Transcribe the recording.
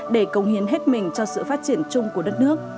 để công hiến hết mình cho sự phát triển chung của đất nước